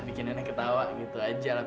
bikin nenek ketawa gitu aja lah